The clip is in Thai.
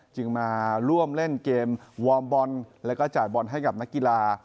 จึงมาร่วมเล่นเกมวอร์มบอลแล้วก็จ่ายบอลให้กับนักกีฬา